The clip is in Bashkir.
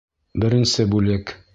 БЕРЕНСЕ БҮЛЕК.